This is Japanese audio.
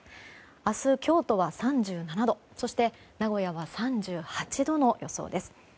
明日、京都は３７度そして名古屋は３８度の予想です。